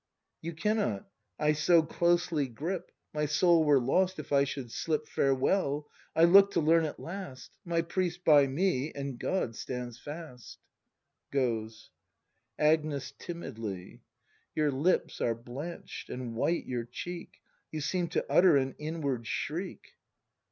You cannot, — I so closely grip. My soul were lost if I should slip Farewell; I look to learn at last; My priest by me— and God— stands fast. [Goes. Agnes. [Timidly.] Your lips are blanch'd, and white your cheek; You seem to utter an inward shriek!